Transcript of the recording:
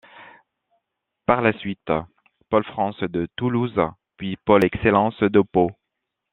Par la suite, Pôle France de Toulouse puis Pôle Excellence de Pau.